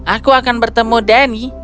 aku akan bertemu danny